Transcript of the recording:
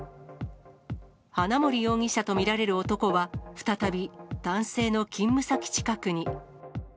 花森容疑者と見られる男は、再び男性の勤務先近くに。